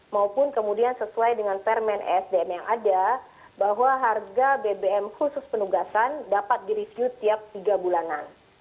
maupun kemudian sesuai dengan permen esdm yang ada bahwa harga bbm khusus penugasan dapat direview tiap tiga bulanan